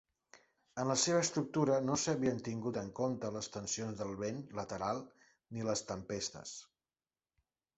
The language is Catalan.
En la seva estructura no s'havien tingut en compte les tensions del vent lateral ni les tempestes.